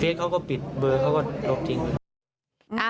เขาก็ปิดเบอร์เขาก็ลบจริง